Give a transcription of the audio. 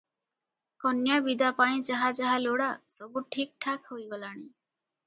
କନ୍ୟା ବିଦା ପାଇଁ ଯାହା ଯାହା ଲୋଡ଼ା, ସବୁ ଠିକ୍ ଠାକ୍ ହୋଇଗଲାଣି ।